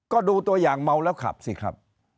ก็ดูตัวอย่างเมาแล้วขับสิครับ